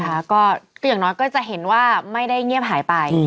อย่างน้อยก็จะเห็นว่าไม่ได้เงียบหายไป